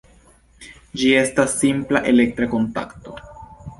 Ĝi estas simpla elektra kontakto.